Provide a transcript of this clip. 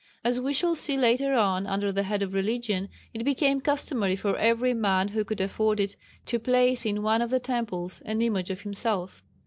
As we shall see later on under the head of "Religion" it became customary for every man who could afford it to place in one of the temples an image of himself.